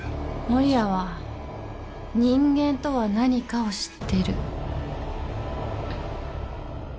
守谷は人間とは何かを知ってる